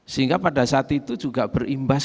sehingga pada saat itu juga berimbas